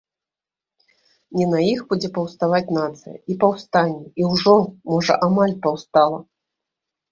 Не на іх будзе паўставаць нацыя, і паўстане, і ўжо, можа, амаль паўстала.